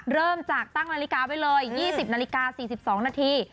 เริ่มจากตั้งนาฬิกาไว้เลย๒๐นาฬิกา๔๒นาที